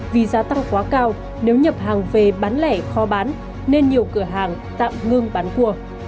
vì giá tăng quá cao nếu nhập hàng về bán lẻ khó bán nên nhiều cửa hàng tạm ngưng bán cua